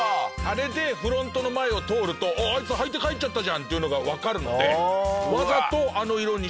あれでフロントの前を通るとあいつ履いて帰っちゃったじゃんっていうのがわかるので。